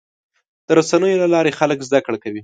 د رسنیو له لارې خلک زدهکړه کوي.